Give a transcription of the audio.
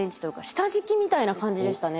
下敷きみたいな感じでしたね。